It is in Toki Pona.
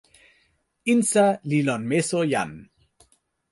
insa li lon meso jan.